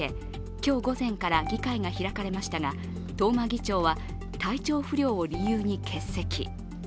今日午前から議会が開かれましたが、東間議長は体調不良を理由に欠席。